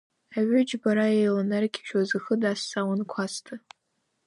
Аҩы џьбара еиланаргьежьуаз ихы дазҵаауан Кәасҭа.